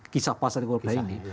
kisah pasar golkar ini